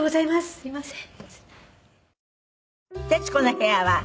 すいません。